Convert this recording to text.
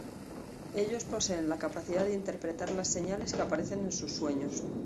Ellos poseen la capacidad de interpretar las señales que aparecen en sus sueños.